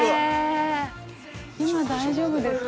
今、大丈夫ですか？